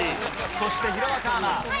そして弘中アナ。